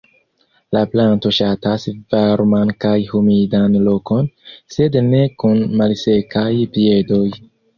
La planto ŝatas varman kaj humidan lokon, sed ne kun "malsekaj piedoj".